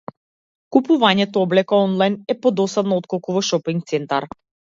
Купувањето облека онлајн е подосадно отколку во шопинг центар.